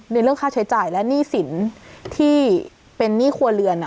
เรื่องค่าใช้จ่ายและหนี้สินที่เป็นหนี้ครัวเรือน